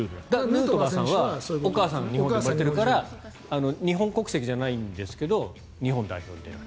ヌートバーさんはお母さんが日本人だから日本国籍じゃないんですけど日本代表。